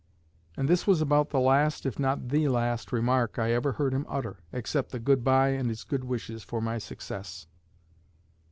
And this was about the last, if not the last, remark I ever heard him utter, except the good bye and his good wishes for my success."